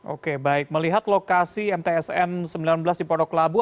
oke baik melihat lokasi mtsn sembilan belas di pondok labu